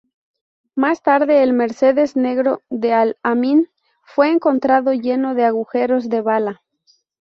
Más tarde, el Mercedes negro de al-Amin fue encontrado lleno de agujeros de bala.